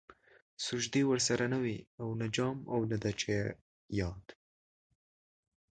سجدې ورسره نه وې او نه جام او د چا ياد